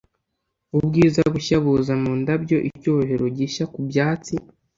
Ubwiza bushya buza mu ndabyo icyubahiro gishya ku byatsi